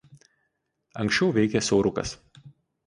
Anksčiau veikė siaurukas.